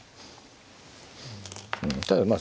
ただまあ